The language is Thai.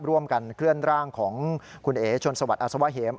ร่วมกันเคลื่อนร่างของคุณเอ๋ชนสวัสดอสวะเหม